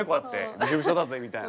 ビショビショだぜみたいな。